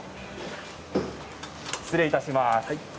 失礼いたします。